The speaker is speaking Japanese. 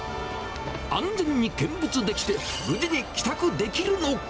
安全に見物できて、無事に帰宅できるのか。